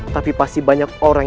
tapi pasti banyak orang